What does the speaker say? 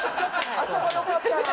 あそこ良かったな。